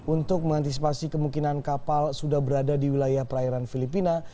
untuk mengantisipasi kemungkinan kapal sudah berada di wilayah perairan filipina